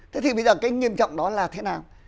thế thì bây giờ cái nghiêm trọng đó là thế nào